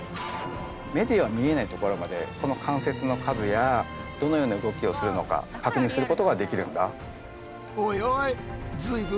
目では見えないところまでこの関節の数やどのような動きをするのか確認することができるんだ。